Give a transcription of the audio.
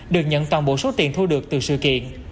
được nhận toàn bộ số tiền thu được từ sự kiện